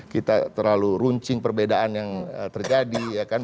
kita terlalu runcing perbedaan yang terjadi ya kan